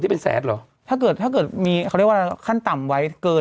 ที่เป็นเสติ์หรอเขาเกว่าเขาเรียกว่าขั้นต่ำไว้เกิน